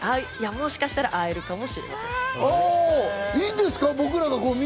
もしかしたら会えるかもしれいいんですか？